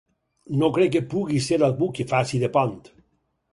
No crec que pugui ser algú que faci de pont.